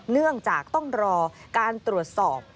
เนื่องจากต้องรอการตรวจสอบ